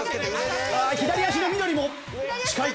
左足の緑も近い。